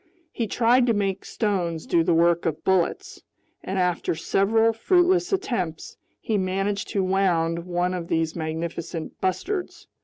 He tried to make stones do the work of bullets, and after several fruitless attempts, he managed to wound one of these magnificent bustards.